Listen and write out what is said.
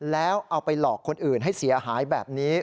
แล้วเอาไปหลอกคนอื่นให้เสียหายแบบนี้